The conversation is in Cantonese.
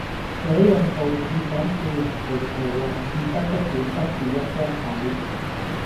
這樣做是想叫人葡萄還是真的管不住一張口